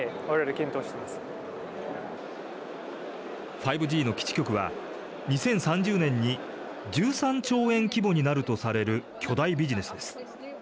５Ｇの基地局は２０３０年に１３兆円規模になるとされる巨大ビジネスです。